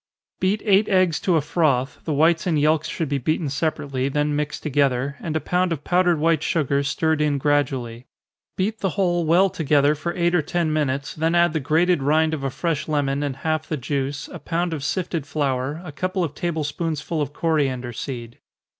_ Beat eight eggs to a froth the whites and yelks should be beaten separately, then mixed together, and a pound of powdered white sugar stirred in gradually. Beat the whole well together, for eight or ten minutes, then add the grated rind of a fresh lemon, and half the juice, a pound of sifted flour, a couple of table spoonsful of coriander seed.